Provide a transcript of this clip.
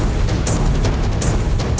saya tak parlah apik